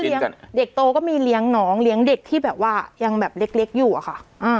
เด็กโตก็มีเลี้ยงน้องเลี้ยงเด็กที่แบบว่ายังแบบเล็กอยู่อะค่ะ